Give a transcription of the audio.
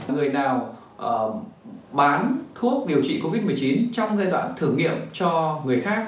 người nào bán thuốc điều trị covid một mươi chín trong giai đoạn thử nghiệm cho người khác